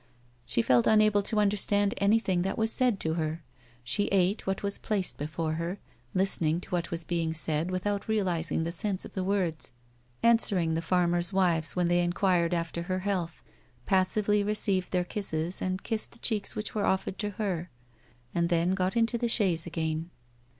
She felt unable to imder stand anything that was said to her. She ate what was placed before her, listened to what was being said without realising the sense of the words, answered the farmers' wives when they enquired after her health, passively received their kisses and kissed the cheeks which were oflfered to her, and then got into the chaise again.